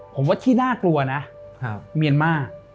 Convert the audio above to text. ผมว่าที่น่ากลัวนะเมียนมาร์